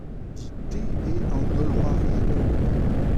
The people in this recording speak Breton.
Dit-te eo an holl c'hoarielloù-mañ ?